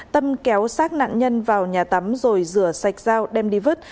tâm kéo sát nạn nhân vào nhà tắm rồi rửa sạch dao đem đi vứt